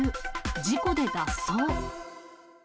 事故で脱走。